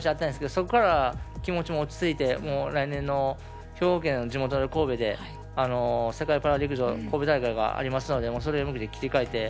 そこから気持ちも落ち着いて来年の兵庫県神戸で世界パラ陸上神戸大会がありますのでそれに向けて切り替えて。